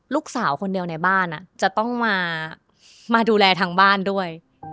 ลูกสาวคนเดียวในบ้านจะต้องมาดูแลทางบ้านด้วย